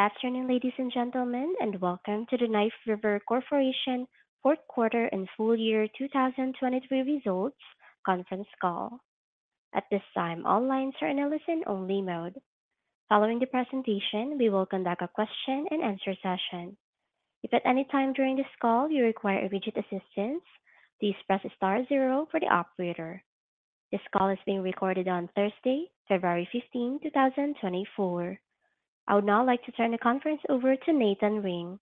Good afternoon, ladies and gentlemen, and welcome to the Knife River Corporation Fourth Quarter and Full Year 2023 Results Conference Call. At this time, all lines are in a listen-only mode. Following the presentation, we will conduct a question and answer session. If at any time during this call you require immediate assistance, please press star zero for the operator. This call is being recorded on Thursday, February 15, 2024. I would now like to turn the conference over to Nathan Ring,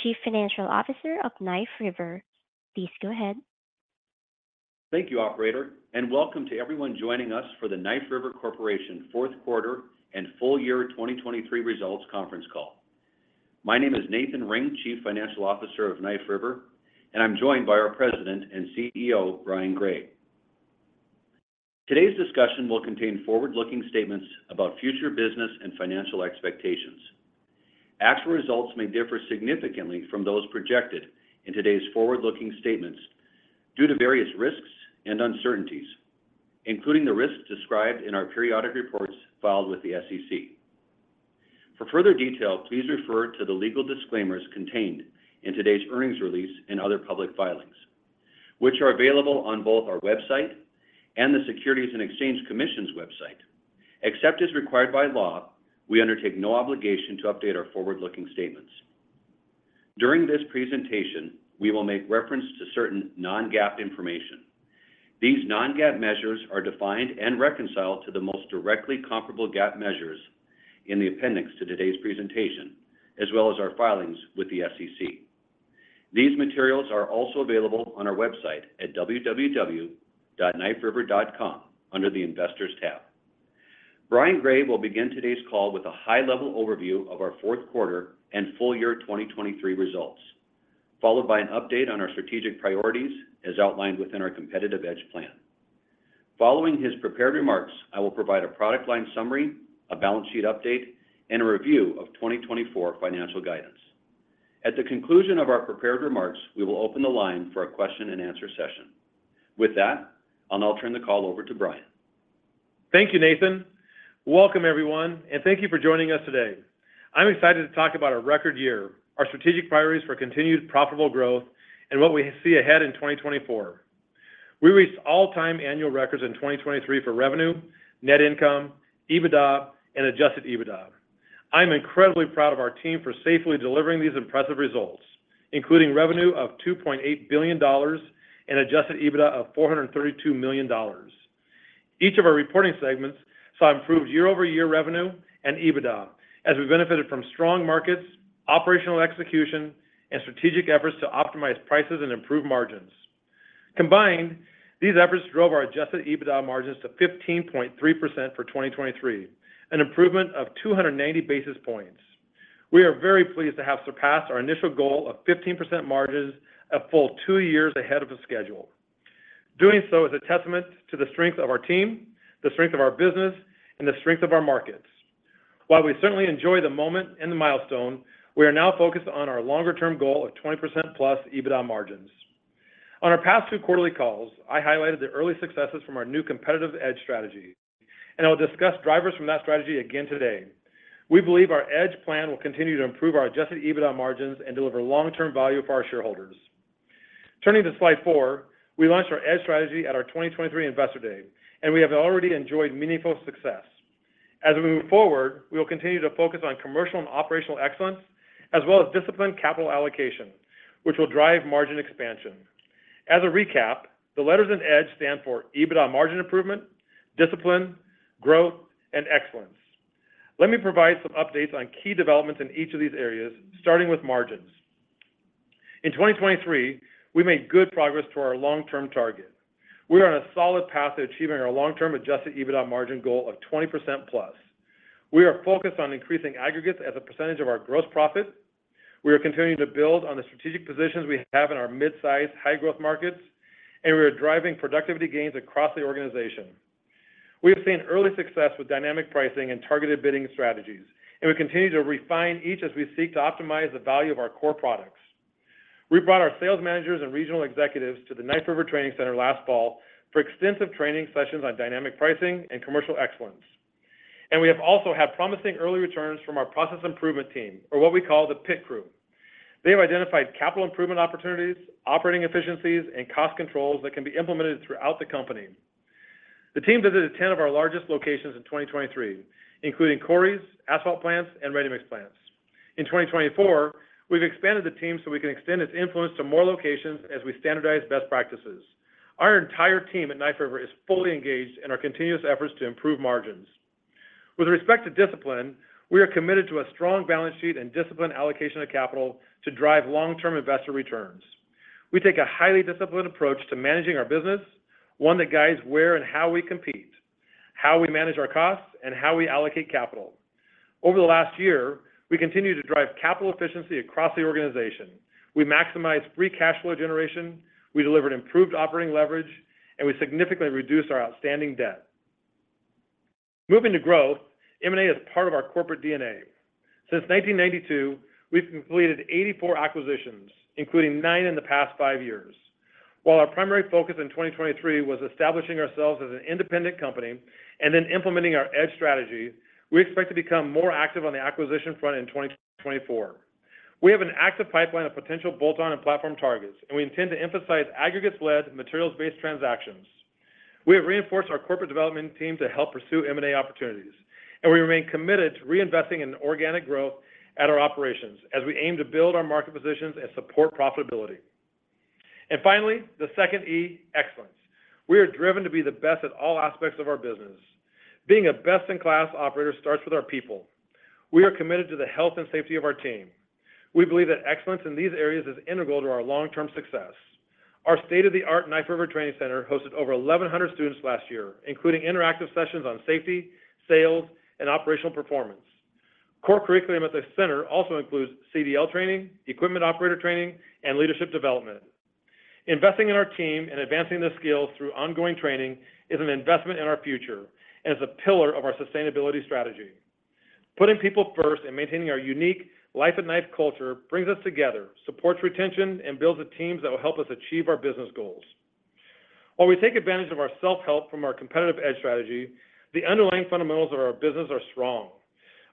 Chief Financial Officer of Knife River. Please go ahead. Thank you, operator, and welcome to everyone joining us for the Knife River Corporation Fourth Quarter and Full Year 2023 Results Conference Call. My name is Nathan Ring, Chief Financial Officer of Knife River, and I'm joined by our President and CEO, Brian Gray. Today's discussion will contain forward-looking statements about future business and financial expectations. Actual results may differ significantly from those projected in today's forward-looking statements due to various risks and uncertainties, including the risks described in our periodic reports filed with the SEC. For further detail, please refer to the legal disclaimers contained in today's earnings release and other public filings, which are available on both our website and the Securities and Exchange Commission's website. Except as required by law, we undertake no obligation to update our forward-looking statements. During this presentation, we will make reference to certain non-GAAP information. These non-GAAP measures are defined and reconciled to the most directly comparable GAAP measures in the appendix to today's presentation, as well as our filings with the SEC. These materials are also available on our website at www.kniferiver.com under the Investors tab. Brian Gray will begin today's call with a high-level overview of our fourth quarter and full year 2023 results, followed by an update on our strategic priorities as outlined within our Competitive EDGE plan. Following his prepared remarks, I will provide a product line summary, a balance sheet update, and a review of 2024 financial guidance. At the conclusion of our prepared remarks, we will open the line for a question and answer session. With that, I'll now turn the call over to Brian. Thank you, Nathan. Welcome, everyone, and thank you for joining us today. I'm excited to talk about our record year, our strategic priorities for continued profitable growth, and what we see ahead in 2024. We reached all-time annual records in 2023 for revenue, net income, EBITDA, and adjusted EBITDA. I'm incredibly proud of our team for safely delivering these impressive results, including revenue of $2.8 billion and adjusted EBITDA of $432 million. Each of our reporting segments saw improved year-over-year revenue and EBITDA as we benefited from strong markets, operational execution, and strategic efforts to optimize prices and improve margins. Combined, these efforts drove our adjusted EBITDA margins to 15.3% for 2023, an improvement of 280 basis points. We are very pleased to have surpassed our initial goal of 15% margins a full 2 years ahead of the schedule. Doing so is a testament to the strength of our team, the strength of our business, and the strength of our markets. While we certainly enjoy the moment and the milestone, we are now focused on our longer-term goal of 20%+ EBITDA margins. On our past 2 quarterly calls, I highlighted the early successes from our new Competitive EDGE strategy, and I will discuss drivers from that strategy again today. We believe our EDGE plan will continue to improve our adjusted EBITDA margins and deliver long-term value for our shareholders. Turning to slide 4, we launched our EDGE strategy at our 2023 Investor Day, and we have already enjoyed meaningful success. As we move forward, we will continue to focus on commercial and operational excellence, as well as disciplined capital allocation, which will drive margin expansion. As a recap, the letters in EDGE stand for EBITDA margin improvement, Discipline, Growth, and Excellence. Let me provide some updates on key developments in each of these areas, starting with margins. In 2023, we made good progress to our long-term target. We are on a solid path to achieving our long-term adjusted EBITDA margin goal of 20%+. We are focused on increasing aggregates as a percentage of our gross profit. We are continuing to build on the strategic positions we have in our mid-sized, high-growth markets, and we are driving productivity gains across the organization. We have seen early success with dynamic pricing and targeted bidding strategies, and we continue to refine each as we seek to optimize the value of our core products. We brought our sales managers and regional executives to the Knife River Training Center last fall for extensive training sessions on dynamic pricing and commercial excellence. We have also had promising early returns from our Process Improvement Team or what we call the PIT Crew. They have identified capital improvement opportunities, operating efficiencies, and cost controls that can be implemented throughout the company. The team visited 10 of our largest locations in 2023, including quarries, asphalt plants, and ready-mix plants. In 2024, we've expanded the team so we can extend its influence to more locations as we standardize best practices. Our entire team at Knife River is fully engaged in our continuous efforts to improve margins. With respect to Discipline, we are committed to a strong balance sheet and disciplined allocation of capital to drive long-term investor returns. We take a highly disciplined approach to managing our business, one that guides where and how we compete, how we manage our costs, and how we allocate capital. Over the last year, we continued to drive capital efficiency across the organization. We maximized free cash flow generation, we delivered improved operating leverage, and we significantly reduced our outstanding debt. Moving to Growth, M&A is part of our corporate DNA. Since 1992, we've completed 84 acquisitions, including 9 in the past five years... While our primary focus in 2023 was establishing ourselves as an independent company and then implementing our EDGE strategy, we expect to become more active on the acquisition front in 2024. We have an active pipeline of potential bolt-on and platform targets, and we intend to emphasize aggregates-led, materials-based transactions. We have reinforced our corporate development team to help pursue M&A opportunities, and we remain committed to reinvesting in organic growth at our operations as we aim to build our market positions and support profitability. Finally, the second E, Excellence. We are driven to be the best at all aspects of our business. Being a best-in-class operator starts with our people. We are committed to the health and safety of our team. We believe that excellence in these areas is integral to our long-term success. Our state-of-the-art Knife River Training Center hosted over 1,100 students last year, including interactive sessions on safety, sales, and operational performance. Core curriculum at the center also includes CDL training, Equipment Operator training, and Leadership Development. Investing in our team and advancing their skills through ongoing training is an investment in our future and is a pillar of our sustainability strategy. Putting people first and maintaining our unique Life at Knife culture brings us together, supports retention, and builds the teams that will help us achieve our business goals. While we take advantage of our self-help from our Competitive EDGE strategy, the underlying fundamentals of our business are strong.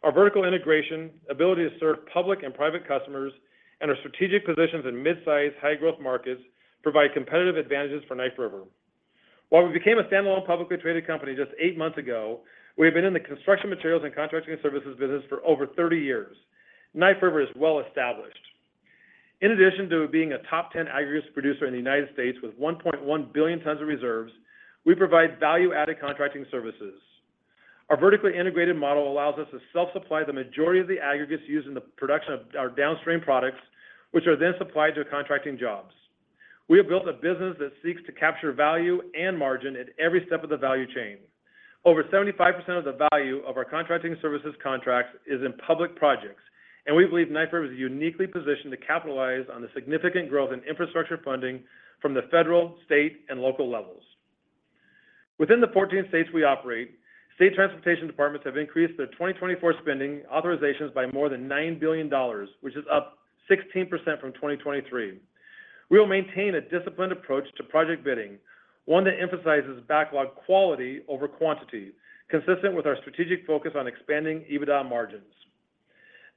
Our vertical integration, ability to serve public and private customers, and our strategic positions in mid-size, high-growth markets provide competitive advantages for Knife River. While we became a standalone, publicly traded company just 8 months ago, we have been in the construction materials and contracting services business for over 30 years. Knife River is well-established. In addition to being a top 10 aggregates producer in the United States with 1.1 billion tons of reserves, we provide value-added contracting services. Our vertically integrated model allows us to self-supply the majority of the aggregates used in the production of our downstream products, which are then supplied to contracting jobs. We have built a business that seeks to capture value and margin at every step of the value chain. Over 75% of the value of our contracting services contracts is in public projects, and we believe Knife River is uniquely positioned to capitalize on the significant growth in infrastructure funding from the federal, state, and local levels. Within the 14 states we operate, state transportation departments have increased their 2024 spending authorizations by more than $9 billion, which is up 16% from 2023. We will maintain a disciplined approach to project bidding, one that emphasizes backlog quality over quantity, consistent with our strategic focus on expanding EBITDA margins.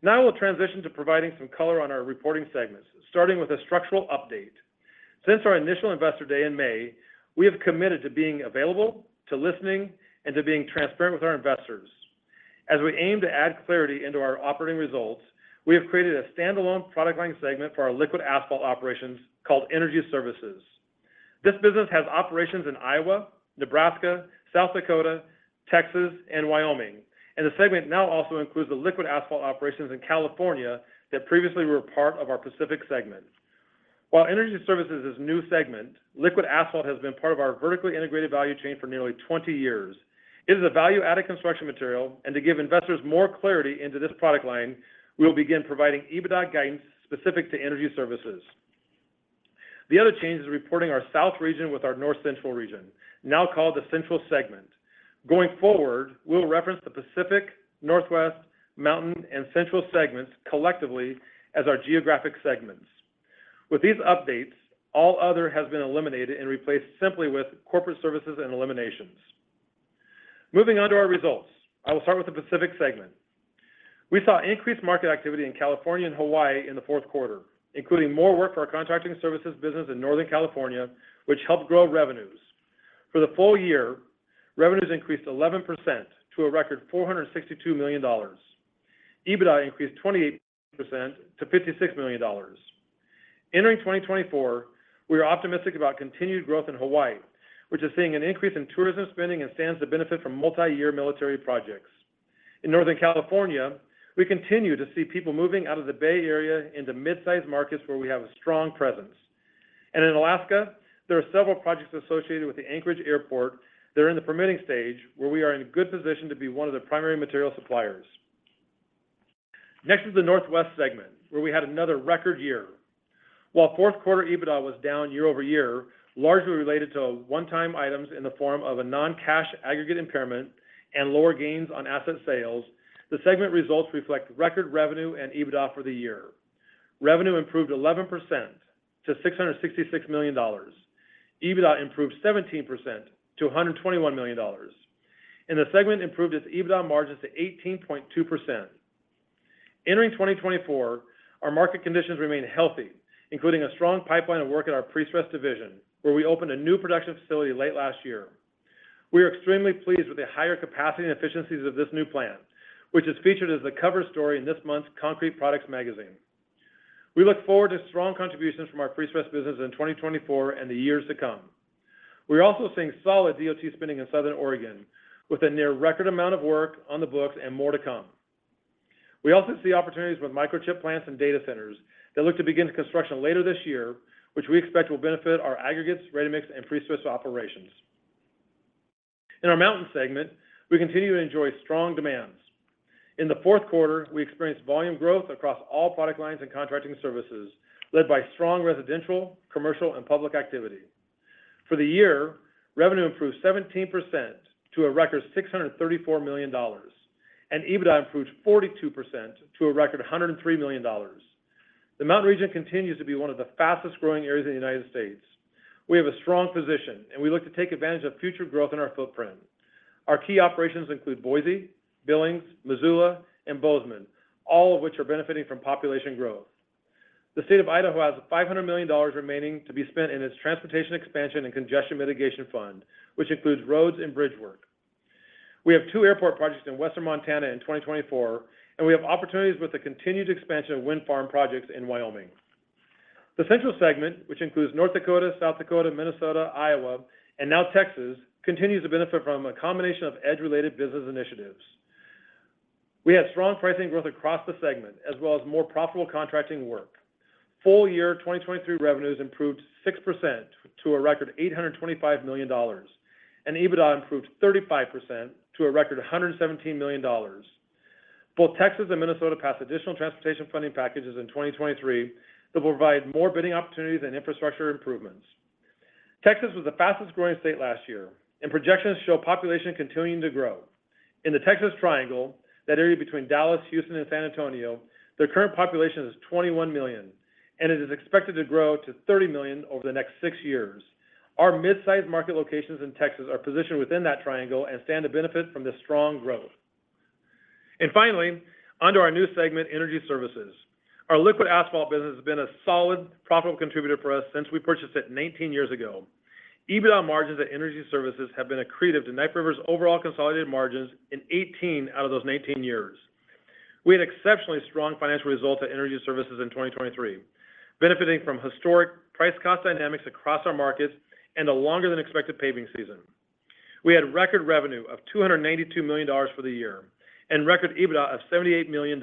Now we'll transition to providing some color on our reporting segments, starting with a structural update. Since our initial Investor Day in May, we have committed to being available, to listening, and to being transparent with our investors. As we aim to add clarity into our operating results, we have created a standalone product line segment for our liquid asphalt operations called Energy Services. This business has operations in Iowa, Nebraska, South Dakota, Texas, and Wyoming, and the segment now also includes the liquid asphalt operations in California that previously were part of our Pacific segment. While Energy Services is a new segment, liquid asphalt has been part of our vertically integrated value chain for nearly 20 years. It is a value-added construction material, and to give investors more clarity into this product line, we will begin providing EBITDA guidance specific to Energy Services. The other change is reporting our South Region with our North Central Region, now called the Central segment. Going forward, we'll reference the Pacific, Northwest, Mountain, and Central segments collectively as our geographic segments. With these updates, All Other has been eliminated and replaced simply with Corporate Services and Eliminations. Moving on to our results, I will start with the Pacific segment. We saw increased market activity in California and Hawaii in the fourth quarter, including more work for our contracting services business in Northern California, which helped grow revenues. For the full year, revenues increased 11% to a record $462 million. EBITDA increased 28% to $56 million. Entering 2024, we are optimistic about continued growth in Hawaii, which is seeing an increase in tourism spending and stands to benefit from multi-year military projects. In Northern California, we continue to see people moving out of the Bay Area into mid-sized markets where we have a strong presence. And in Alaska, there are several projects associated with the Anchorage Airport that are in the permitting stage, where we are in a good position to be one of the primary material suppliers. Next is the Northwest segment, where we had another record year. While fourth quarter EBITDA was down year-over-year, largely related to one-time items in the form of a non-cash aggregate impairment and lower gains on asset sales, the segment results reflect record revenue and EBITDA for the year. Revenue improved 11% to $666 million. EBITDA improved 17% to $121 million, and the segment improved its EBITDA margins to 18.2%. Entering 2024, our market conditions remain healthy, including a strong pipeline of work in our prestress division, where we opened a new production facility late last year. We are extremely pleased with the higher capacity and efficiencies of this new plant, which is featured as the cover story in this month's Concrete Products magazine. We look forward to strong contributions from our prestress business in 2024 and the years to come. We are also seeing solid DOT spending in Southern Oregon, with a near record amount of work on the books and more to come. We also see opportunities with microchip plants and data centers that look to begin construction later this year, which we expect will benefit our aggregates, ready-mix, and prestress operations. In our Mountain segment, we continue to enjoy strong demands. In the fourth quarter, we experienced volume growth across all product lines and contracting services, led by strong residential, commercial, and public activity. For the year, revenue improved 17% to a record $634 million, and EBITDA improved 42% to a record $103 million. The Mountain Region continues to be one of the fastest-growing areas in the United States. We have a strong position, and we look to take advantage of future growth in our footprint. Our key operations include Boise, Billings, Missoula, and Bozeman, all of which are benefiting from population growth. The state of Idaho has $500 million remaining to be spent in its Transportation Expansion and Congestion Mitigation Fund, which includes roads and bridge work. We have 2 airport projects in Western Montana in 2024, and we have opportunities with the continued expansion of wind farm projects in Wyoming. The Central segment, which includes North Dakota, South Dakota, Minnesota, Iowa, and now Texas, continues to benefit from a combination of EDGE-related business initiatives. We had strong pricing growth across the segment, as well as more profitable contracting work. Full year 2023 revenues improved 6% to a record $825 million, and EBITDA improved 35% to a record $117 million. Both Texas and Minnesota passed additional transportation funding packages in 2023 that will provide more bidding opportunities and infrastructure improvements. Texas was the fastest-growing state last year, and projections show population continuing to grow. In the Texas Triangle, that area between Dallas, Houston, and San Antonio, the current population is 21 million, and it is expected to grow to 30 million over the next six years. Our mid-sized market locations in Texas are positioned within that triangle and stand to benefit from this strong growth. Finally, onto our new segment, Energy Services. Our liquid asphalt business has been a solid, profitable contributor for us since we purchased it 19 years ago. EBITDA margins at Energy Services have been accretive to Knife River's overall consolidated margins in 18 out of those 19 years. We had exceptionally strong financial results at Energy Services in 2023, benefiting from historic price cost dynamics across our markets and a longer than expected paving season. We had record revenue of $292 million for the year and record EBITDA of $78 million.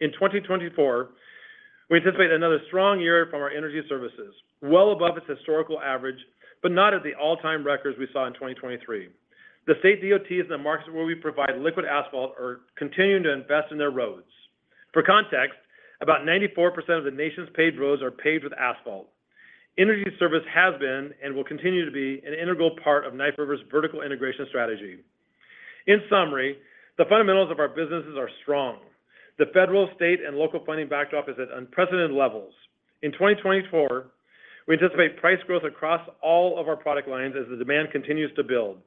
In 2024, we anticipate another strong year from our Energy Services, well above its historical average, but not at the all-time records we saw in 2023. The state DOTs in the markets where we provide liquid asphalt are continuing to invest in their roads. For context, about 94% of the nation's paved roads are paved with asphalt. Energy Services has been and will continue to be an integral part of Knife River's vertical integration strategy. In summary, the fundamentals of our businesses are strong. The federal, state, and local funding backdrop is at unprecedented levels. In 2024, we anticipate price growth across all of our product lines as the demand continues to build.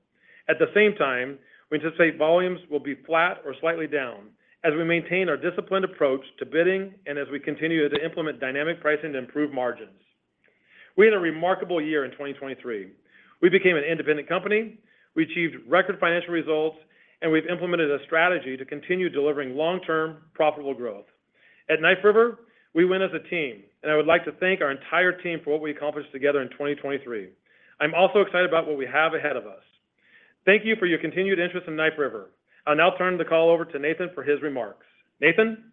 At the same time, we anticipate volumes will be flat or slightly down as we maintain our disciplined approach to bidding and as we continue to implement dynamic pricing to improve margins. We had a remarkable year in 2023. We became an independent company, we achieved record financial results, and we've implemented a strategy to continue delivering long-term, profitable growth. At Knife River, we win as a team, and I would like to thank our entire team for what we accomplished together in 2023. I'm also excited about what we have ahead of us. Thank you for your continued interest in Knife River. I'll now turn the call over to Nathan for his remarks. Nathan?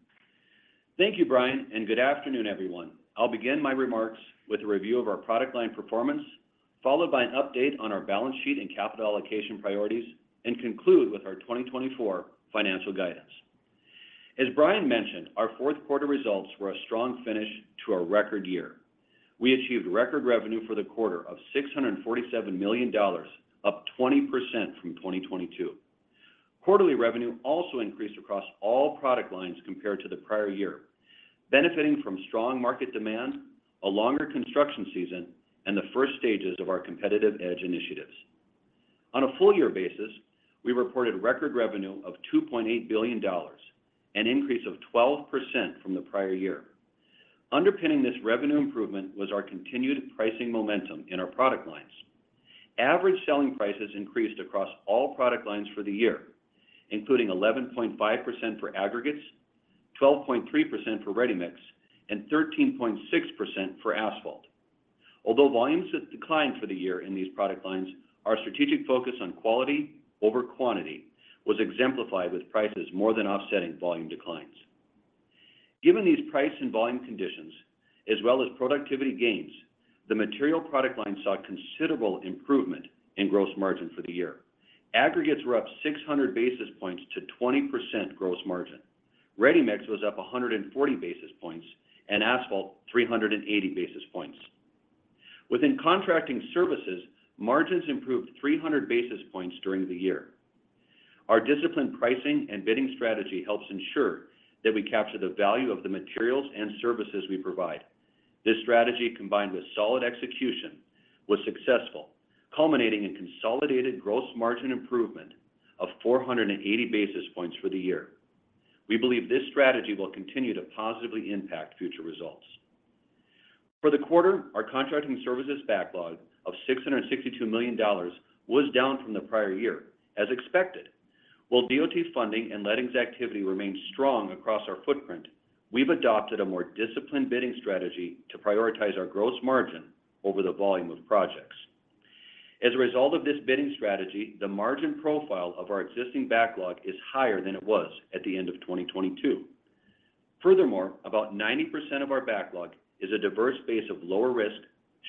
Thank you, Brian, and good afternoon, everyone. I'll begin my remarks with a review of our product line performance, followed by an update on our balance sheet and capital allocation priorities, and conclude with our 2024 financial guidance. As Brian mentioned, our fourth quarter results were a strong finish to our record year. We achieved record revenue for the quarter of $647 million, up 20% from 2022. Quarterly revenue also increased across all product lines compared to the prior year, benefiting from strong market demand, a longer construction season, and the first stages of our Competitive EDGE initiatives. On a full year basis, we reported record revenue of $2.8 billion, an increase of 12% from the prior year. Underpinning this revenue improvement was our continued pricing momentum in our product lines. Average selling prices increased across all product lines for the year, including 11.5% for aggregates, 12.3% for ready-mix, and 13.6% for asphalt. Although volumes have declined for the year in these product lines, our strategic focus on quality over quantity was exemplified with prices more than offsetting volume declines. Given these price and volume conditions, as well as productivity gains, the material product line saw a considerable improvement in gross margin for the year. Aggregates were up 600 basis points to 20% gross margin. Ready-mix was up 140 basis points, and asphalt, 380 basis points. Within contracting services, margins improved 300 basis points during the year. Our disciplined pricing and bidding strategy helps ensure that we capture the value of the materials and services we provide. This strategy, combined with solid execution, was successful, culminating in consolidated gross margin improvement of 480 basis points for the year. We believe this strategy will continue to positively impact future results. For the quarter, our contracting services backlog of $662 million was down from the prior year, as expected. While DOT funding and lettings activity remained strong across our footprint, we've adopted a more disciplined bidding strategy to prioritize our gross margin over the volume of projects. As a result of this bidding strategy, the margin profile of our existing backlog is higher than it was at the end of 2022. Furthermore, about 90% of our backlog is a diverse base of lower risk,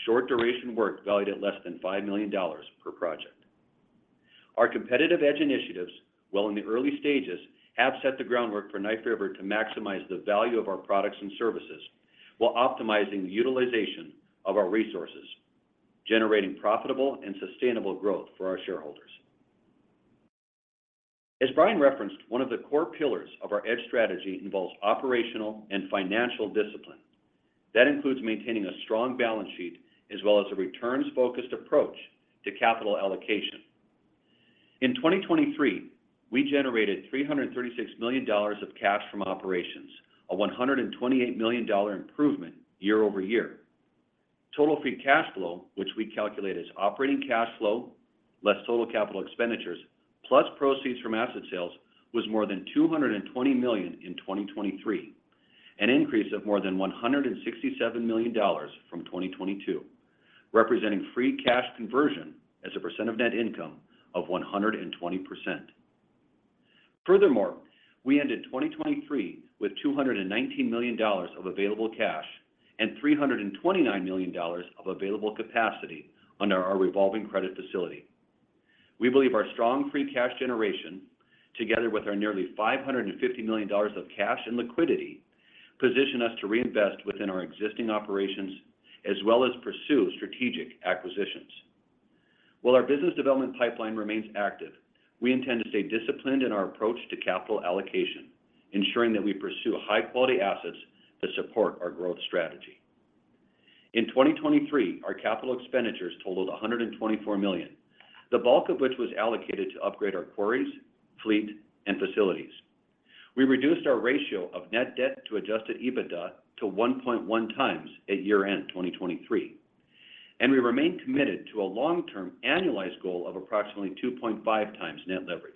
short-duration work valued at less than $5 million per project. Our Competitive EDGE initiatives, while in the early stages, have set the groundwork for Knife River to maximize the value of our products and services, while optimizing the utilization of our resources, generating profitable and sustainable growth for our shareholders. As Brian referenced, one of the core pillars of our EDGE strategy involves operational and financial discipline. That includes maintaining a strong balance sheet, as well as a returns-focused approach to capital allocation. In 2023, we generated $336 million of cash from operations, a $128 million improvement year-over-year. Total free cash flow, which we calculate as operating cash flow, less total capital expenditures, plus proceeds from asset sales, was more than $220 million in 2023, an increase of more than $167 million from 2022, representing free cash conversion as a percent of net income of 120%. Furthermore, we ended 2023 with $219 million of available cash and $329 million of available capacity under our revolving credit facility. We believe our strong free cash generation, together with our nearly $550 million of cash and liquidity, position us to reinvest within our existing operations, as well as pursue strategic acquisitions. While our business development pipeline remains active, we intend to stay disciplined in our approach to capital allocation, ensuring that we pursue high-quality assets that support our growth strategy. In 2023, our capital expenditures totaled $124 million, the bulk of which was allocated to upgrade our quarries, fleet, and facilities. We reduced our ratio of net debt to adjusted EBITDA to 1.1x at year-end, 2023, and we remain committed to a long-term annualized goal of approximately 2.5x net leverage,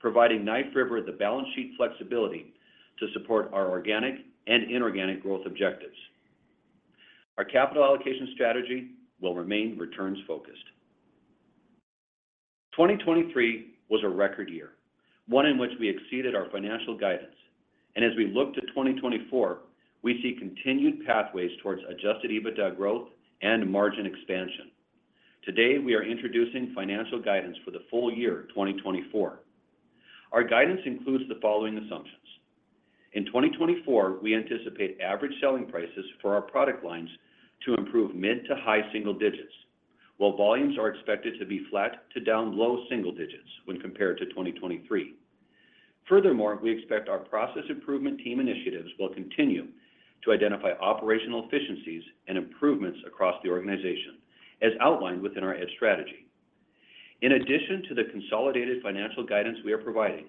providing Knife River the balance sheet flexibility to support our organic and inorganic growth objectives. Our capital allocation strategy will remain returns-focused. 2023 was a record year, one in which we exceeded our financial guidance. As we look to 2024, we see continued pathways towards adjusted EBITDA growth and margin expansion. Today, we are introducing financial guidance for the full year, 2024. Our guidance includes the following assumptions: In 2024, we anticipate average selling prices for our product lines to improve mid to high-single digits, while volumes are expected to be flat to down low-single digits when compared to 2023. Furthermore, we expect our Process Improvement Team initiatives will continue to identify operational efficiencies and improvements across the organization, as outlined within our EDGE strategy. In addition to the consolidated financial guidance we are providing,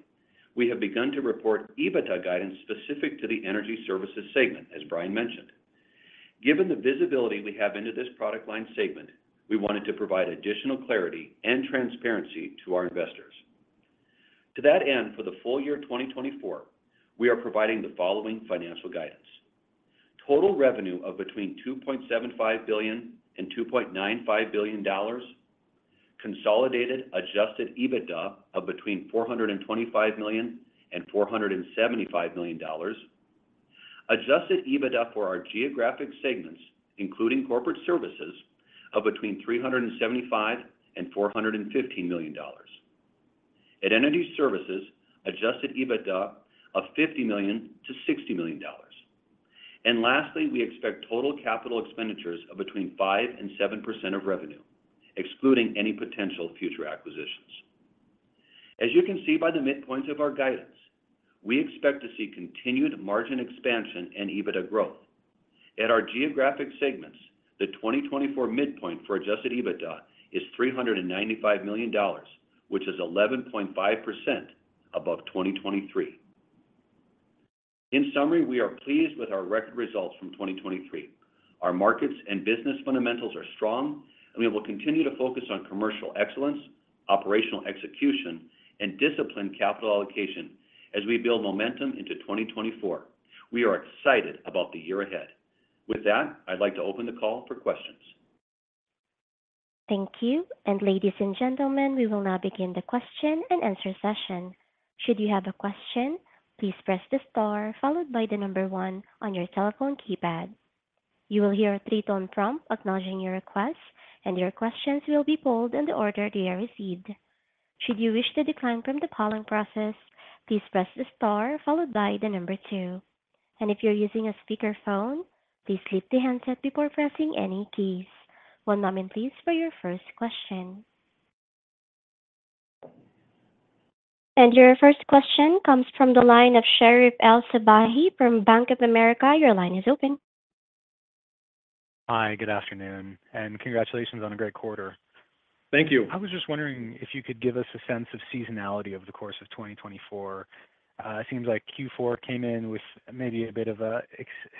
we have begun to report EBITDA guidance specific to the Energy Services segment, as Brian mentioned. Given the visibility we have into this product line segment, we wanted to provide additional clarity and transparency to our investors. To that end, for the full year 2024, we are providing the following financial guidance: Total revenue of between $2.75 billion and $2.95 billion, consolidated Adjusted EBITDA of between $425 million and $475 million. Adjusted EBITDA for our geographic segments, including Corporate Services, of between $375 million and $450 million. At Energy Services, Adjusted EBITDA of $50 million to $60 million. And lastly, we expect total capital expenditures of between 5% and 7% of revenue, excluding any potential future acquisitions. As you can see by the midpoints of our guidance, we expect to see continued margin expansion and EBITDA growth. At our geographic segments, the 2024 midpoint for Adjusted EBITDA is $395 million, which is 11.5% above 2023. In summary, we are pleased with our record results from 2023. Our markets and business fundamentals are strong, and we will continue to focus on commercial excellence, operational execution, and disciplined capital allocation as we build momentum into 2024. We are excited about the year ahead. With that, I'd like to open the call for questions. Thank you. Ladies and gentlemen, we will now begin the question and answer session. Should you have a question, please press the star followed by the number one on your telephone keypad. You will hear a three-tone prompt acknowledging your request, and your questions will be pulled in the order they are received. Should you wish to decline from the polling process, please press the star followed by the number two. If you're using a speakerphone, please lift the handset before pressing any keys. One moment, please, for your first question. Your first question comes from the line of Sherif El-Sabbahy from Bank of America. Your line is open. Hi, good afternoon, and congratulations on a great quarter. Thank you. I was just wondering if you could give us a sense of seasonality over the course of 2024. It seems like Q4 came in with maybe a bit of an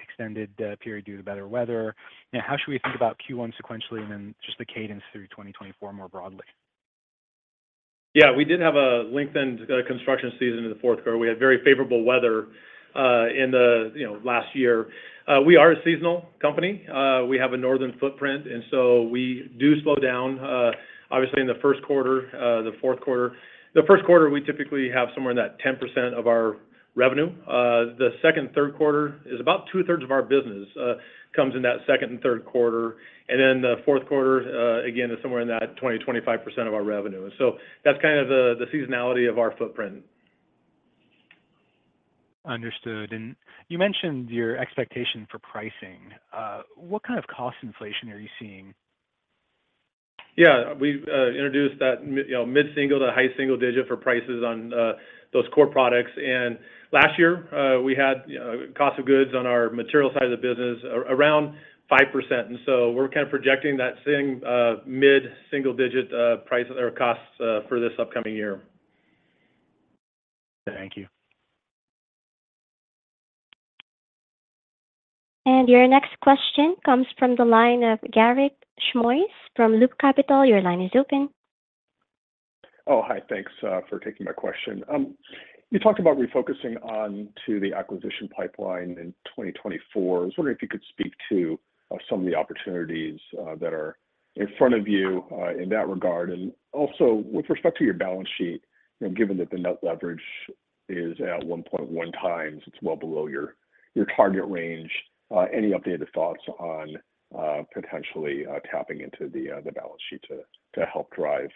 extended period due to better weather. Now, how should we think about Q1 sequentially and then just the cadence through 2024 more broadly? Yeah, we did have a lengthened construction season in the fourth quarter. We had very favorable weather in the, you know, last year. We are a seasonal company. We have a northern footprint, and so we do slow down obviously in the first quarter, the fourth quarter. The first quarter, we typically have somewhere in that 10% of our revenue. The second, third quarter is about 2/3 of our business comes in that second and third quarter. And then the fourth quarter again is somewhere in that 20%-25% of our revenue. So that's kind of the, the seasonality of our footprint.... Understood. And you mentioned your expectation for pricing. What kind of cost inflation are you seeing? Yeah, we've introduced that mid-single to high single digit for prices on those core products. And last year, we had cost of goods on our material side of the business around 5%. And so we're kind of projecting that same mid-single digit price or costs for this upcoming year. Thank you. Your next question comes from the line of Garik Shmois from Loop Capital. Your line is open. Oh, hi. Thanks for taking my question. You talked about refocusing onto the acquisition pipeline in 2024. I was wondering if you could speak to some of the opportunities that are in front of you in that regard. And also, with respect to your balance sheet, and given that the net leverage is at 1.1x, it's well below your target range, any updated thoughts on potentially tapping into the balance sheet to help drive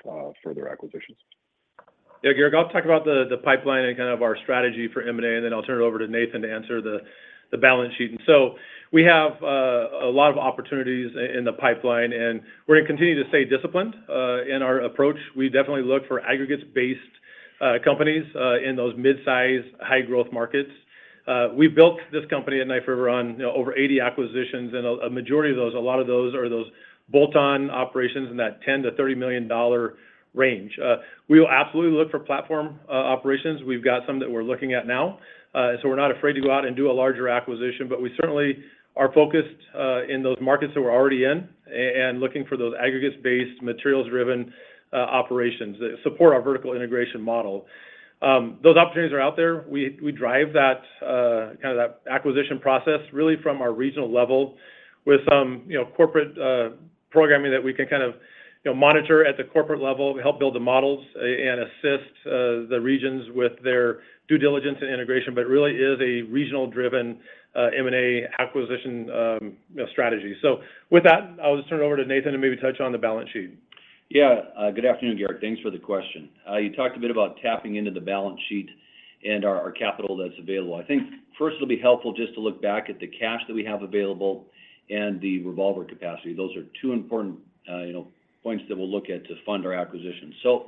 further acquisitions? Yeah, Garik, I'll talk about the, the pipeline and kind of our strategy for M&A, and then I'll turn it over to Nathan to answer the, the balance sheet. So we have a lot of opportunities in the pipeline, and we're gonna continue to stay disciplined in our approach. We definitely look for aggregates-based companies in those mid-size, high-growth markets. We built this company at Knife River on, you know, over 80 acquisitions, and a majority of those, a lot of those are those bolt-on operations in that $10 million-$30 million range. We will absolutely look for platform operations. We've got some that we're looking at now, so we're not afraid to go out and do a larger acquisition, but we certainly are focused in those markets that we're already in and looking for those aggregates-based, materials-driven operations that support our vertical integration model. Those opportunities are out there. We, we drive that kind of that acquisition process really from our regional level with some, you know, corporate programming that we can kind of, you know, monitor at the corporate level, help build the models and assist the regions with their due diligence and integration, but it really is a regional-driven M&A acquisition, you know, strategy. So with that, I'll just turn it over to Nathan to maybe touch on the balance sheet. Yeah. Good afternoon, Garik. Thanks for the question. You talked a bit about tapping into the balance sheet and our, our capital that's available. I think first it'll be helpful just to look back at the cash that we have available and the revolver capacity. Those are two important, you know, points that we'll look at to fund our acquisition. So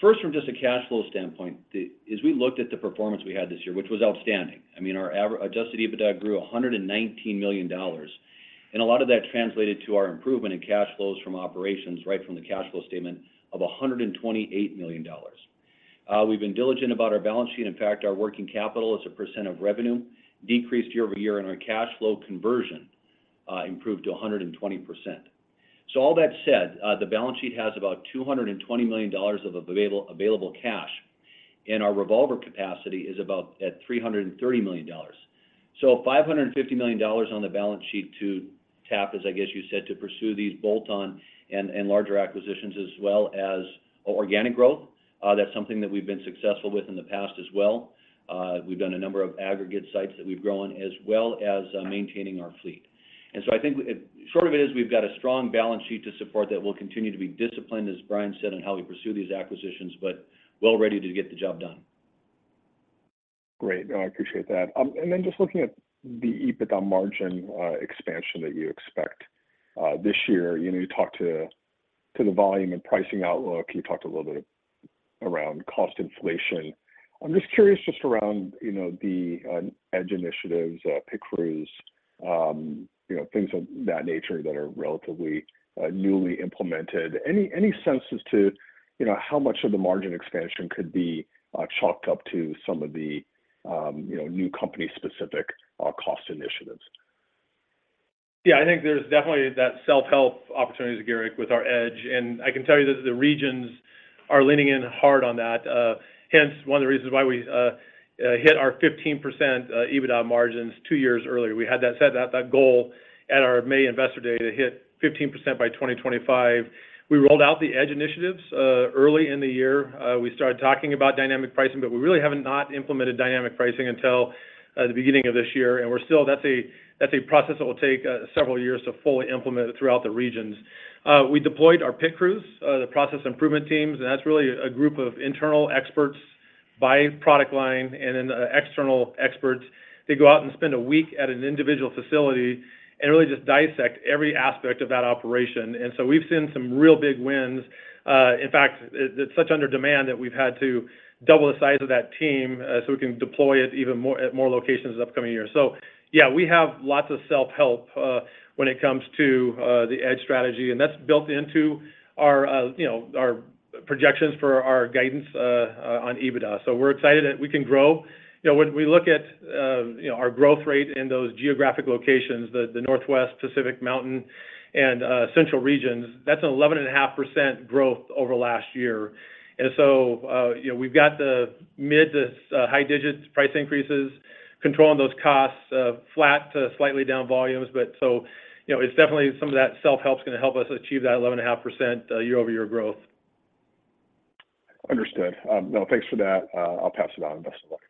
first, from just a cash flow standpoint, as we looked at the performance we had this year, which was outstanding. I mean, our Adjusted EBITDA grew $119 million, and a lot of that translated to our improvement in cash flows from operations, right from the cash flow statement of $128 million. We've been diligent about our balance sheet. In fact, our working capital as a percent of revenue decreased year-over-year, and our cash flow conversion improved to 120%. So all that said, the balance sheet has about $220 million of available, available cash, and our revolver capacity is about at $330 million. So $550 million on the balance sheet to tap, as I guess you said, to pursue these bolt-on and, and larger acquisitions, as well as organic growth. That's something that we've been successful with in the past as well. We've done a number of aggregate sites that we've grown, as well as, maintaining our fleet. And so I think, short of it is, we've got a strong balance sheet to support that. We'll continue to be disciplined, as Brian said, on how we pursue these acquisitions, but we're ready to get the job done. Great. No, I appreciate that. And then just looking at the EBITDA margin expansion that you expect this year. You know, you talked to the volume and pricing outlook. You talked a little bit around cost inflation. I'm just curious, just around, you know, the EDGE initiatives, PIT Crews, you know, things of that nature that are relatively newly implemented. Any sense as to, you know, how much of the margin expansion could be chalked up to some of the, you know, new company-specific cost initiatives? Yeah, I think there's definitely that self-help opportunity, Garik, with our EDGE, and I can tell you that the regions are leaning in hard on that. Hence, one of the reasons why we hit our 15% EBITDA margins two years earlier. We had that goal at our May Investor Day to hit 15% by 2025. We rolled out the EDGE initiatives early in the year. We started talking about dynamic pricing, but we really haven't not implemented dynamic pricing until the beginning of this year, and we're still. That's a process that will take several years to fully implement it throughout the regions. We deployed our PIT Crews, the Process Improvement Teams, and that's really a group of internal experts by product line and then external experts. They go out and spend a week at an individual facility and really just dissect every aspect of that operation, and so we've seen some real big wins. In fact, it's such in demand that we've had to double the size of that team, so we can deploy it even more, at more locations in the upcoming year. So yeah, we have lots of self-help, when it comes to the EDGE strategy, and that's built into our, you know, our projections for our guidance, on EBITDA. So we're excited that we can grow. You know, when we look at, you know, our growth rate in those geographic locations, the Northwest, Pacific Mountain, and Central Regions, that's an 11.5% growth over last year. So, you know, we've got the mid to high-digits price increases, controlling those costs, flat to slightly down volumes. So, you know, it's definitely some of that self-help is gonna help us achieve that 11.5% year-over-year growth. Understood. Well, thanks for that. I'll pass it on. Best of luck.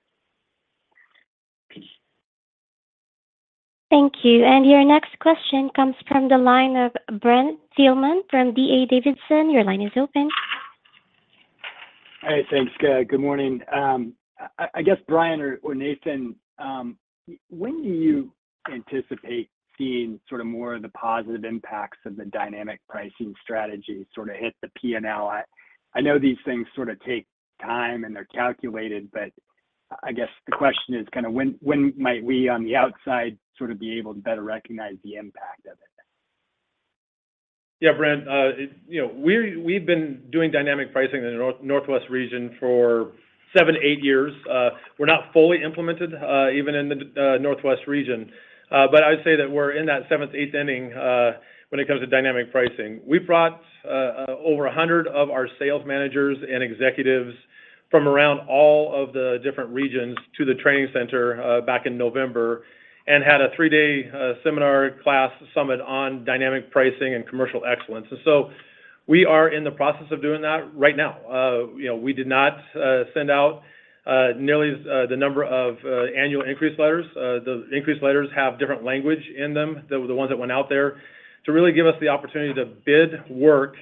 Thank you. And your next question comes from the line of Brent Thielman from D.A. Davidson. Your line is open. Hi, thanks, guy. Good morning. I guess, Brian or Nathan, when do you anticipate seeing sort of more of the positive impacts of the dynamic pricing strategy sort of hit the P&L? I know these things sort of take time, and they're calculated, but I guess the question is kind of when, when might we, on the outside, sort of be able to better recognize the impact of it? Yeah, Brent. You know, we've been doing dynamic pricing in the Northwest Region for 7 years-8 years. We're not fully implemented, even in the Northwest Region. But I'd say that we're in that 7th, 8th inning when it comes to dynamic pricing. We brought over 100 of our sales managers and executives from around all of the different regions to the training center back in November and had a 3-day seminar class summit on dynamic pricing and commercial excellence. So we are in the process of doing that right now. You know, we did not send out nearly as the number of annual increase letters. The increase letters have different language in them, the ones that went out there, to really give us the opportunity to bid work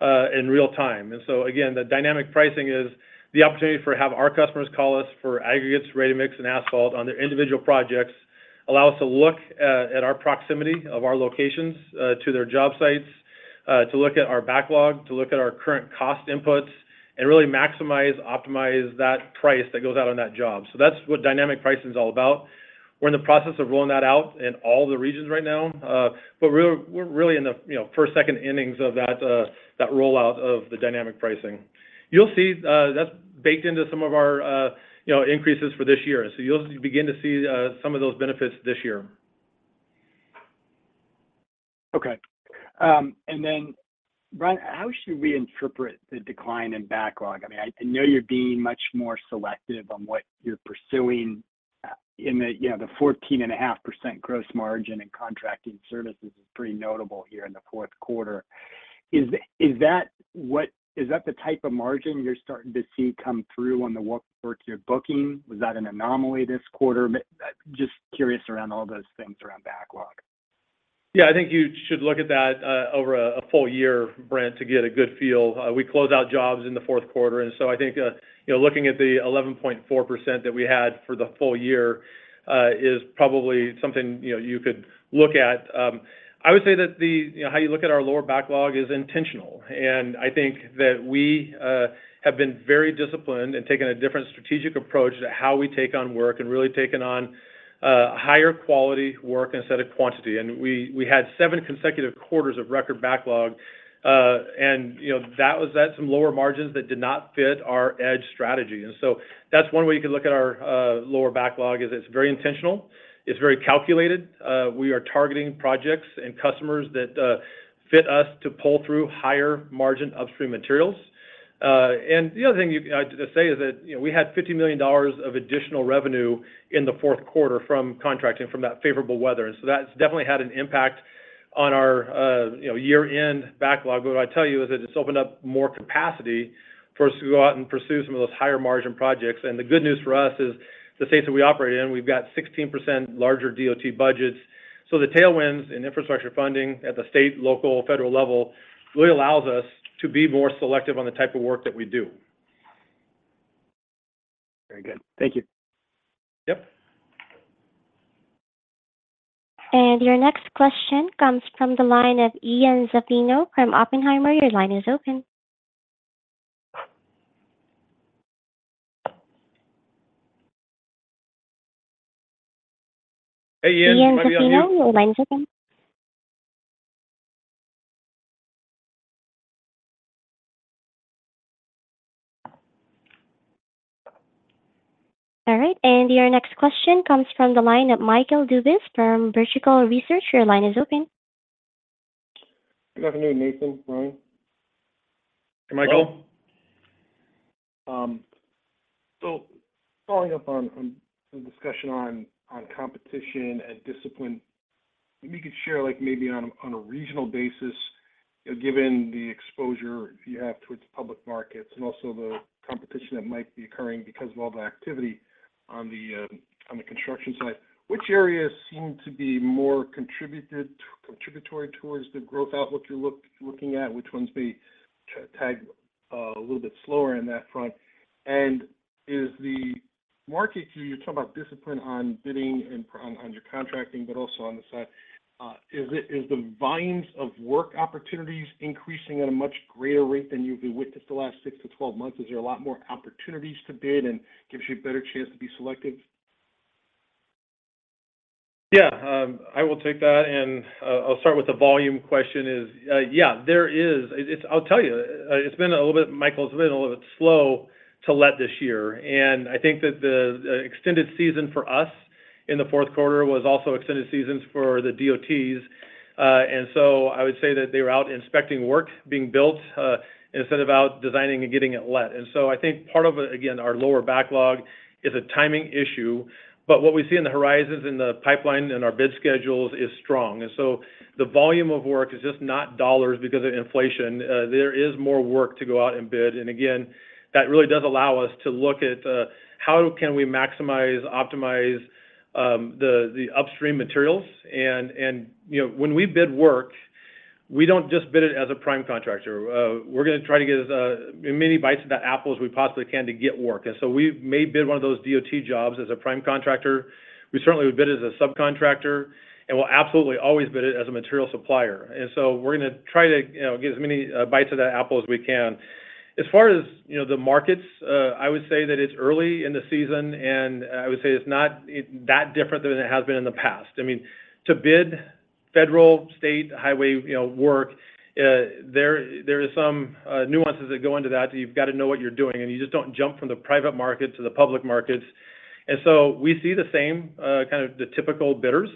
in real time. So, again, the dynamic pricing is the opportunity for have our customers call us for aggregates, ready mix, and asphalt on their individual projects, allow us to look at our proximity of our locations to their job sites, to look at our backlog, to look at our current cost inputs, and really maximize, optimize that price that goes out on that job. So that's what dynamic pricing is all about. We're in the process of rolling that out in all the regions right now. But we're really in the you know, first, second innings of that rollout of the dynamic pricing. You'll see, that's baked into some of our, you know, increases for this year. So you'll begin to see some of those benefits this year. Okay. And then, Brian, how should we interpret the decline in backlog? I mean, I, I know you're being much more selective on what you're pursuing, in the, you know, the 14.5% gross margin in contracting services is pretty notable here in the fourth quarter. Is, is that what— Is that the type of margin you're starting to see come through on the work, work you're booking? Was that an anomaly this quarter? Just curious around all those things around backlog. Yeah, I think you should look at that over a full year, Brent, to get a good feel. We close out jobs in the fourth quarter, and so I think you know, looking at the 11.4% that we had for the full year is probably something you know, you could look at. I would say that the... You know, how you look at our lower backlog is intentional, and I think that we have been very disciplined in taking a different strategic approach to how we take on work and really taken on higher quality work instead of quantity. And we had seven consecutive quarters of record backlog, and you know, that was at some lower margins that did not fit our EDGE strategy. And so that's one way you could look at our lower backlog, is it's very intentional. It's very calculated. We are targeting projects and customers that fit us to pull through higher margin upstream materials. And the other thing—I'd like to say is that, you know, we had $50 million of additional revenue in the fourth quarter from contracting from that favorable weather. And so that's definitely had an impact on our, you know, year-end backlog. But what I tell you is that it's opened up more capacity for us to go out and pursue some of those higher margin projects. And the good news for us is, the states that we operate in, we've got 16% larger DOT budgets. The tailwinds in infrastructure funding at the state, local, federal level really allows us to be more selective on the type of work that we do. Very good. Thank you. Yep. Your next question comes from the line of Ian Zaffino from Oppenheimer. Your line is open. Hey, Ian. How are you? Ian Zaffino, your line is open. All right, and your next question comes from the line of Michael Dudas from Vertical Research. Your line is open. Good afternoon, Nathan, Brian. Hi, Michael. So following up on the discussion on competition and discipline, if you could share, like, maybe on a regional basis, given the exposure you have towards public markets and also the competition that might be occurring because of all the activity on the construction side, which areas seem to be more contributory towards the growth outlook you're looking at? Which ones may lag a little bit slower in that front? And is the market, you talk about discipline on bidding and on your contracting, but also on the side. Is the volumes of work opportunities increasing at a much greater rate than you've witnessed the last 6 months-12 months? Is there a lot more opportunities to bid and gives you a better chance to be selective? Yeah, I will take that, and I'll start with the volume question. Yeah, there is. It's been a little bit, Michael, it's been a little bit slow to let this year. And I think that the extended season for us in the fourth quarter was also extended seasons for the DOTs. And so I would say that they were out inspecting work being built instead of out designing and getting it let. And so I think part of, again, our lower backlog is a timing issue, but what we see in the horizons, in the pipeline, and our bid schedules is strong. And so the volume of work is just not dollars because of inflation. There is more work to go out and bid, and again, that really does allow us to look at how can we maximize, optimize the upstream materials. And you know, when we bid work. We don't just bid it as a prime contractor. We're gonna try to get as many bites of that apple as we possibly can to get work. And so we may bid one of those DOT jobs as a prime contractor. We certainly would bid it as a subcontractor, and we'll absolutely always bid it as a material supplier. And so we're gonna try to, you know, get as many bites of that apple as we can. As far as, you know, the markets, I would say that it's early in the season, and I would say it's not that different than it has been in the past. I mean, to bid federal, state highway, you know, work, there is some nuances that go into that. You've got to know what you're doing, and you just don't jump from the private market to the public markets. And so we see the same, kind of the typical bidders.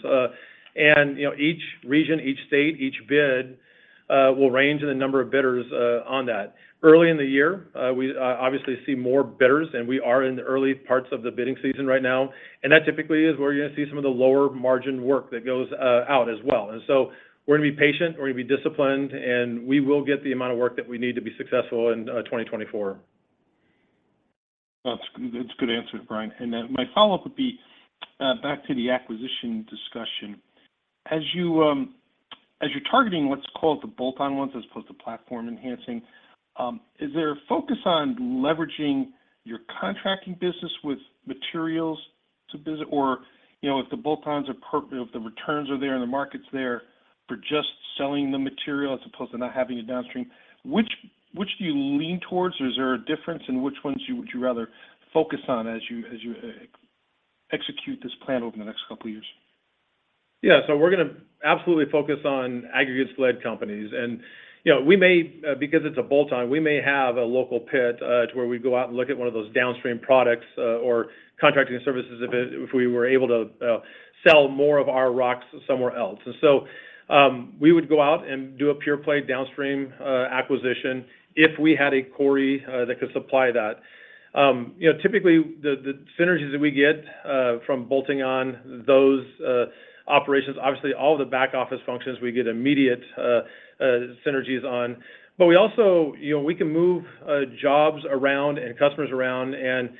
And, you know, each region, each state, each bid, will range in the number of bidders, on that. Early in the year, we obviously see more bidders, and we are in the early parts of the bidding season right now, and that typically is where you're gonna see some of the lower margin work that goes out as well. So we're gonna be patient, we're gonna be disciplined, and we will get the amount of work that we need to be successful in 2024. That's, that's a good answer, Brian. Then my follow-up would be back to the acquisition discussion. As you're targeting what's called the bolt-on ones, as opposed to platform enhancing, is there a focus on leveraging your contracting business with materials to build? Or, you know, if the bolt-ons are, if the returns are there and the market's there for just selling the material as opposed to not having it downstream, which do you lean towards? Or is there a difference in which ones you would rather focus on as you execute this plan over the next couple of years? Yeah. So we're gonna absolutely focus on aggregates-led companies. And, you know, we may, because it's a bolt-on, we may have a local pit, to where we'd go out and look at one of those downstream products, or contracting services if it, if we were able to, sell more of our rocks somewhere else. And so, we would go out and do a pure play downstream, acquisition if we had a quarry, that could supply that. You know, typically, the synergies that we get, from bolting on those, operations, obviously, all the back office functions, we get immediate, synergies on. But we also... You know, we can move jobs around and customers around, and,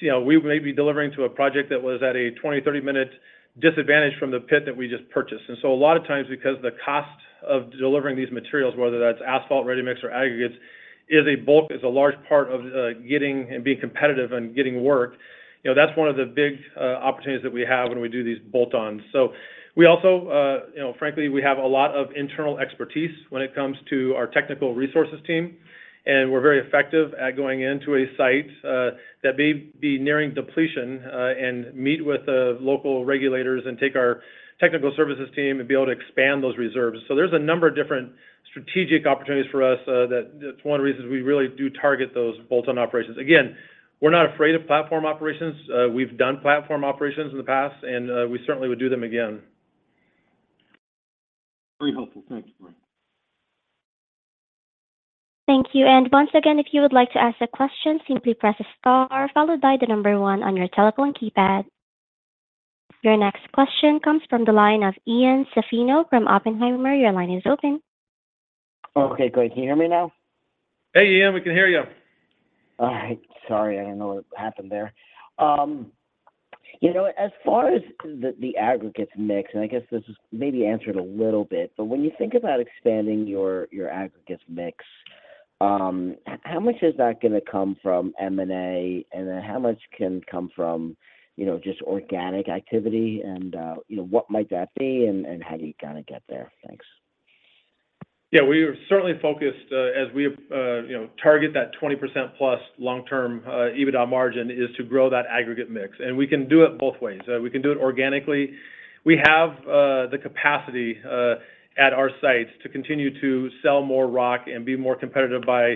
you know, we may be delivering to a project that was at a 20-minute or 30-minute disadvantage from the pit that we just purchased. So a lot of times, because the cost of delivering these materials, whether that's asphalt, ready-mix, or aggregates, is a bulk, is a large part of getting and being competitive and getting work, you know, that's one of the big opportunities that we have when we do these bolt-ons. We also, you know, frankly, we have a lot of internal expertise when it comes to our technical resources team, and we're very effective at going into a site that may be nearing depletion and meet with the local regulators and take our technical services team and be able to expand those reserves. So there's a number of different strategic opportunities for us, that's one of the reasons we really do target those bolt-on operations. Again, we're not afraid of platform operations. We've done platform operations in the past, and we certainly would do them again. Very helpful. Thank you, Brian. Thank you. And once again, if you would like to ask a question, simply press star followed by the number one on your telephone keypad. Your next question comes from the line of Ian Zaffino from Oppenheimer. Your line is open. Okay, great. Can you hear me now? Hey, Ian, we can hear you. All right. Sorry, I don't know what happened there. You know, as far as the aggregates mix, and I guess this is maybe answered a little bit, but when you think about expanding your aggregates mix, how much is that gonna come from M&A, and then how much can come from, you know, just organic activity? And you know, what might that be and how do you kinda get there? Thanks. Yeah, we are certainly focused, as we, you know, target that 20%+ long-term EBITDA margin, is to grow that aggregate mix. And we can do it both ways. We can do it organically. We have the capacity at our sites to continue to sell more rock and be more competitive by,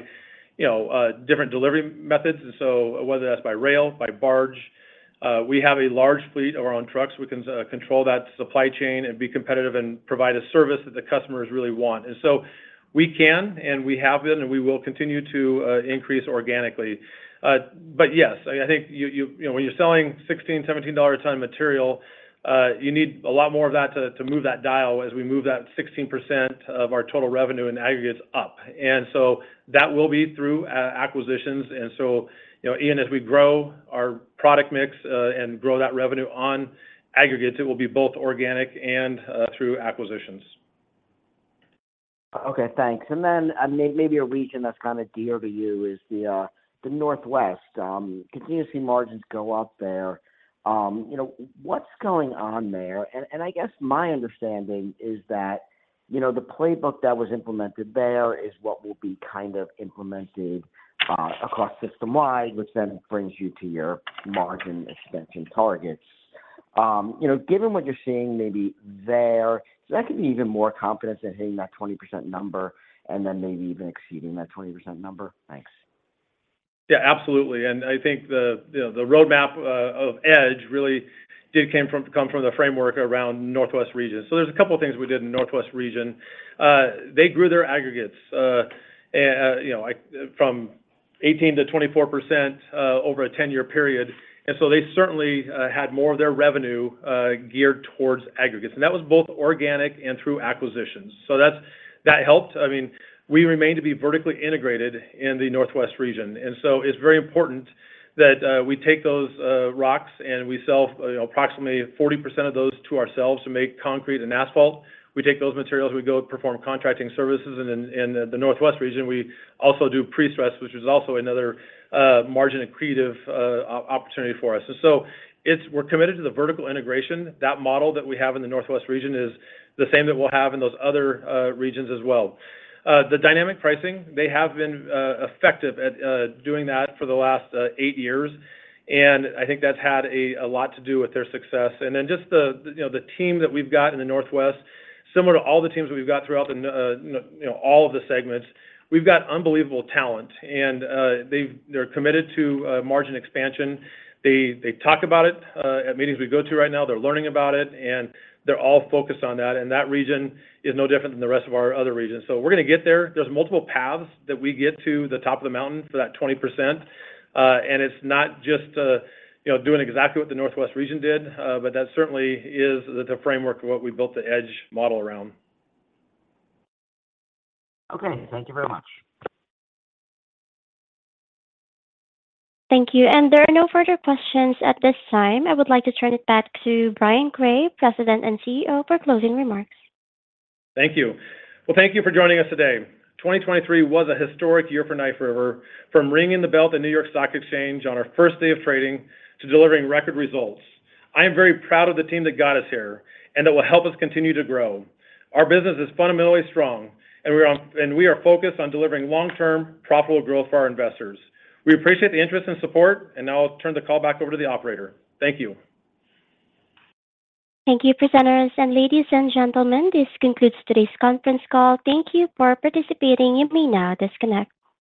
you know, different delivery methods. And so whether that's by rail, by barge, we have a large fleet of our own trucks. We can control that supply chain and be competitive and provide a service that the customers really want. And so we can, and we have been, and we will continue to increase organically. But yes, I think you know, when you're selling $16-$17 a ton of material, you need a lot more of that to move that dial as we move that 16% of our total revenue and aggregates up. And so that will be through acquisitions. And so, you know, Ian, as we grow our product mix and grow that revenue on aggregates, it will be both organic and through acquisitions. Okay, thanks. And then, maybe a region that's kind of dear to you is the Northwest. Continuing margins go up there. You know, what's going on there? And I guess my understanding is that, you know, the playbook that was implemented there is what will be kind of implemented across system-wide, which then brings you to your margin expansion targets. You know, given what you're seeing maybe there, does that give you even more confidence in hitting that 20% number and then maybe even exceeding that 20% number? Thanks. Yeah, absolutely. And I think the, you know, the roadmap of EDGE really did come from the framework around Northwest Region. So there's a couple of things we did in the Northwest Region. They grew their aggregates, and, you know, like, from 18%-24% over a 10-year period, and so they certainly had more of their revenue geared towards aggregates, and that was both organic and through acquisitions. So that's, that helped. I mean, we remain to be vertically integrated in the Northwest Region, and so it's very important that we take those rocks, and we sell approximately 40% of those to ourselves to make concrete and asphalt. We take those materials, we go perform contracting services in the Northwest Region. We also do prestress, which is also another margin accretive opportunity for us. So it's. We're committed to the vertical integration. That model that we have in the Northwest Region is the same that we'll have in those other regions as well. The dynamic pricing, they have been effective at doing that for the last eight years, and I think that's had a lot to do with their success. And then just the, you know, the team that we've got in the Northwest, similar to all the teams we've got throughout the, you know, all of the segments, we've got unbelievable talent, and they've. They're committed to margin expansion. They talk about it at meetings we go to right now, they're learning about it, and they're all focused on that, and that region is no different than the rest of our other regions. So we're gonna get there. There's multiple paths that we get to the top of the mountain for that 20%, and it's not just, you know, doing exactly what the Northwest Region did, but that certainly is the framework of what we built the EDGE model around. Okay. Thank you very much. Thank you, and there are no further questions at this time. I would like to turn it back to Brian Gray, President and CEO, for closing remarks. Thank you. Well, thank you for joining us today. 2023 was a historic year for Knife River, from ringing the bell at the New York Stock Exchange on our first day of trading to delivering record results. I am very proud of the team that got us here, and that will help us continue to grow. Our business is fundamentally strong, and we are focused on delivering long-term, profitable growth for our investors. We appreciate the interest and support, and now I'll turn the call back over to the operator. Thank you. Thank you, presenters, and ladies and gentlemen, this concludes today's conference call. Thank you for participating. You may now disconnect.